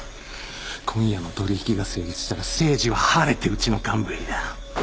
今夜の取引が成立したら誠司は晴れてうちの幹部入りだ。